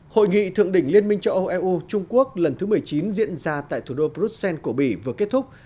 hội nghị thượng đỉnh liên minh châu âu eu trung quốc lần thứ một mươi chín diễn ra tại thủ đô bruxelles của bỉ vừa kết thúc